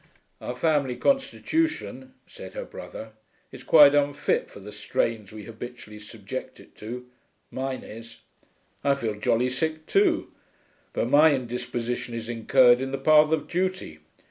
'Our family constitution,' said her brother, 'is quite unfit for the strains we habitually subject it to. Mine is. I feel jolly sick too. But my indisposition is incurred in the path of duty.